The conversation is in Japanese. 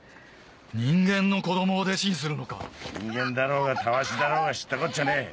人間の子供を弟子にするのか⁉人間だろうがタワシだろうが知ったこっちゃねえ。